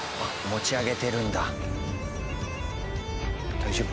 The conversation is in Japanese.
大丈夫？